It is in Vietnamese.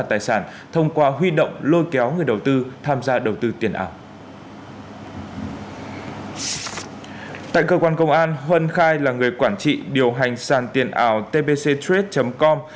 tại cơ quan công an huân khai là người quản trị điều hành sàn tiền ảo tbcriet com